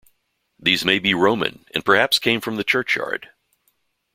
These may be Roman and perhaps came from the churchyard.